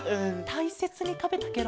たいせつにたべたケロ？